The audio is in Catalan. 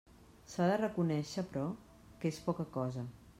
S'ha de reconéixer, però, que és poca cosa.